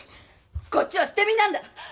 こっちは捨て身なんだ！